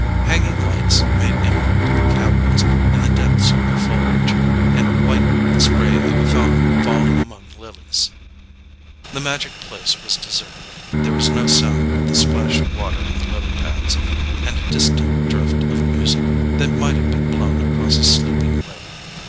Hanging lights made emerald caverns in the depths of foliage, and whitened the spray of a fountain falling among lilies. The magic place was deserted: there was no sound but the splash of the water on the lily pads, and a distant drift of music that might have been blown across a sleeping lake.